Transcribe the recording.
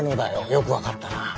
よく分かったな。